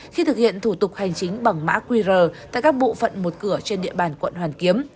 khi thực hiện thủ tục hành chính bằng mã qr tại các bộ phận một cửa trên địa bàn quận hoàn kiếm